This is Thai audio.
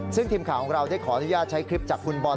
ซึ่งทีมข่าวของเราได้ขออนุญาตใช้คลิปจากคุณบอล